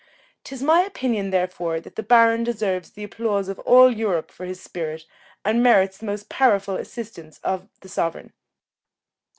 'Tis my opinion, therefore, that the Baron deserves the applause of all Europe for his spirit, and merits the most powerful assistance of the sovereign."